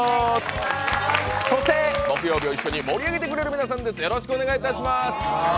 そして木曜日を一緒に盛り上げてくれる皆さんです。